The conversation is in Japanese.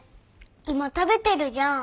今食べてるじゃん。